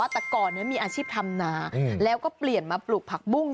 แต่ก่อนมีอาชีพทำนาแล้วก็เปลี่ยนมาปลูกผักบุ้ง